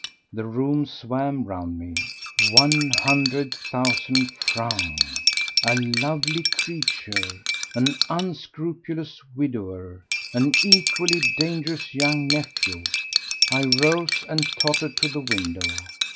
The room swam round me. One hundred thousand francs!—a lovely creature!—an unscrupulous widower!—an equally dangerous young nephew. I rose and tottered to the window.